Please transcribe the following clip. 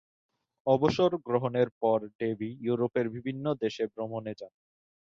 অবসর গ্রহণের পর ডেভি ইউরোপের বিভিন্ন দেশে ভ্রমণে যান।